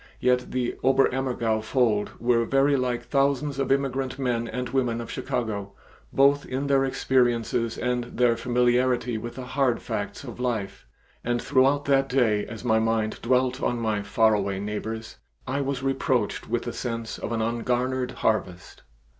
Yet the Oberammergau fold were very like thousands of immigrant men and women of Chicago, both in their experiences and in their familiarity with the hard facts of life, and throughout that day as my mind dwelt on my far away neighbors, I was reproached with the sense of an ungarnered harvest.